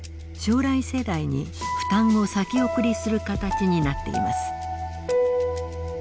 将来世代に負担を先送りする形になっています。